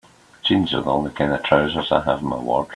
Jeans are the only kind of trousers I have in my wardrobe.